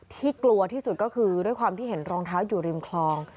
กลัวที่สุดก็คือด้วยความที่เห็นรองเท้าอยู่ริมคลอง